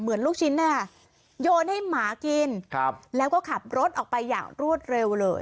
ลูกชิ้นนะคะโยนให้หมากินแล้วก็ขับรถออกไปอย่างรวดเร็วเลย